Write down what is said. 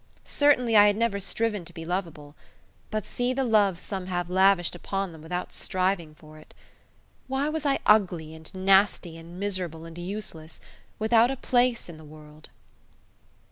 Certainly I had never striven to be lovable. But see the love some have lavished upon them without striving for it! Why was I ugly and nasty and miserable and useless without a place in the world?